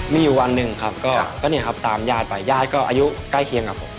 มีอยู่วันหนึ่งครับก็เนี่ยครับตามญาติไปญาติก็อายุใกล้เคียงกับผม